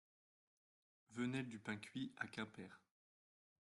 Venelle du Pain Cuit à Quimper